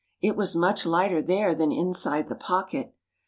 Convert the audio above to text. It was much lighter there than inside the pocket.